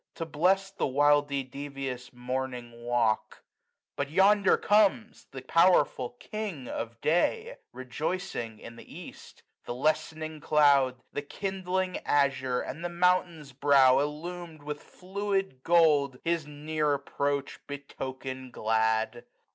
To bless the wildy devious morning walk ? 8s But yonder comes the powerful King of Day, Rejoicing in the East. The lessening cloud. The kindling azure, and the mountain's brow IllumM with fluid gold, his near approach Betoken glad.